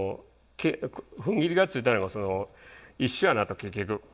ふんぎりがついたのが一緒やなと結局。